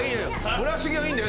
村重はいいんだよ。